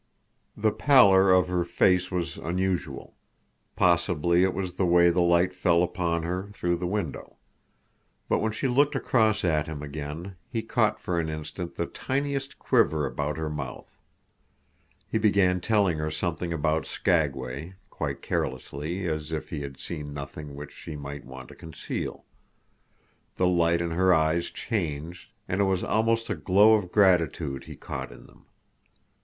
The pallor of her face was unusual. Possibly it was the way the light fell upon her through the window. But when she looked across at him again, he caught for an instant the tiniest quiver about her mouth. He began telling her something about Skagway, quite carelessly, as if he had seen nothing which she might want to conceal. The light in her eyes changed, and it was almost a glow of gratitude he caught in them.